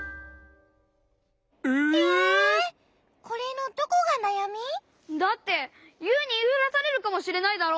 これのどこがなやみ？だってユウにいいふらされるかもしれないだろ？